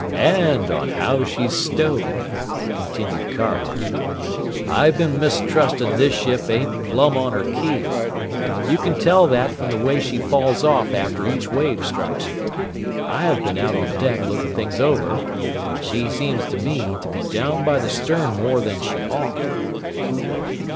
"And on how she's stowed," continued Car hart. "I've been mistrusting this ship ain't plumb on her keel. You can tell that from the way she falls off after each wave strikes her. I have been out on deck looking things over and she seems to me to be down by the stern more than she ought."